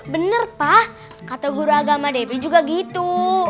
bener pak kata guru agama debi juga gitu